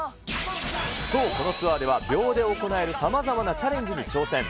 そう、このツアーでは、秒で行えるさまざまなチャレンジに挑戦。